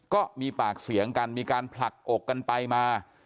ก็มีปากเสียงกันมีการผลักอกกันไปมา